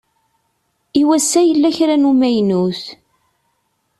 I wass-a yella kra n umaynut